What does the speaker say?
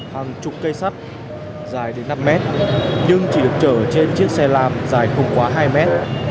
hàng chục cây sắt dài năm mét nhưng chỉ được chở trên chiếc xe lam dài không quá hai mét